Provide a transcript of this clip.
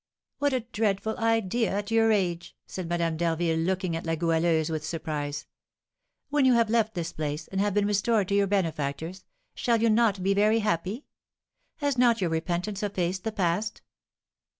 "What a dreadful idea at your age!" said Madame d'Harville, looking at La Goualeuse with surprise. "When you have left this place, and have been restored to your benefactors, shall you not be very happy? Has not your repentance effaced the past?"